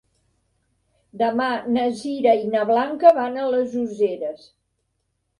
Demà na Sira i na Blanca van a les Useres.